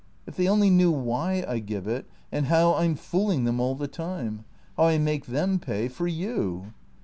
If they only knew why I give it, and how I 'm fooling them all the time! How I make them pay — for you!